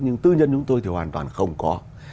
nhưng tư nhân chúng tôi thì hoàn toàn không có